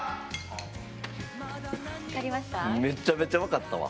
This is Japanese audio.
めちゃめちゃ分かったわ！